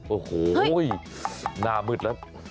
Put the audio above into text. โอ้โหหน้ามืดแล้ว